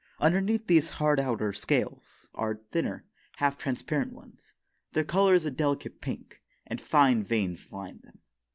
Underneath these hard outer scales are thinner, half transparent ones. Their color is a delicate pink, and fine veins line them.